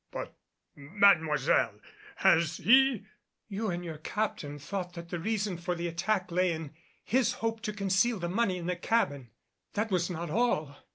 "But, Mademoiselle, has he ?" "You and your captain thought that the reason for the attack lay in his hope to conceal the money in the cabin. That was not all.